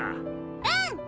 うん！